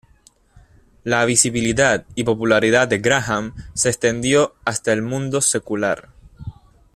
La visibilidad y popularidad de Graham se extendió hasta el mundo secular.